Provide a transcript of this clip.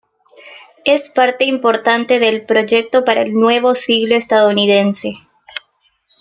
Es parte importante del Proyecto para el Nuevo Siglo Estadounidense.